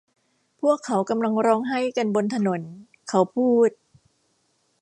พวกเขากำลังร้องไห้กันบนถนน'เขาพูด